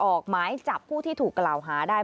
ออกหมายจับผู้ที่ถูกกล่าวหาได้